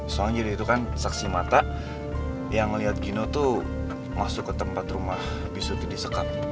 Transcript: soalnya dia itu kan saksi mata yang ngeliat cino tuh masuk ke tempat rumah bisut di sekap